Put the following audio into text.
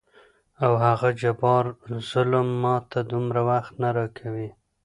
او هغه جبار ظلم ماته دومره وخت نه راکوي.